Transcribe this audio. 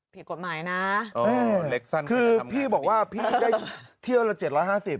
ผิดกฎหมายนะเออเล็กสั้นคือพี่บอกว่าพี่ได้เที่ยวละเจ็ดร้อยห้าสิบ